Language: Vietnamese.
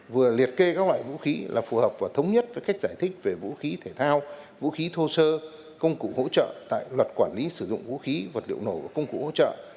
vừa liệt kê các loại vũ khí là phù hợp và thống nhất với cách giải thích về vũ khí thể thao vũ khí thô sơ công cụ hỗ trợ tại luật quản lý sử dụng vũ khí vật liệu nổ và công cụ hỗ trợ